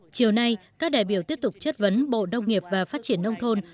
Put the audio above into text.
chiều nay các đại biểu tiếp tục chất vấn bộ đông nghiệp và phát triển nông thôn